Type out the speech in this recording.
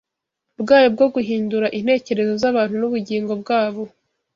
bwayo bwo guhindura intekerezo z’abantu n’ubugingo bwabo